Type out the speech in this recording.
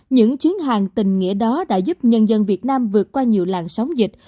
những chuyến hàng tình nghĩa đó đã giúp nhân dân việt nam vượt qua nhiều làng sóng dịch